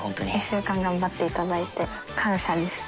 １週間頑張っていただいて感謝です。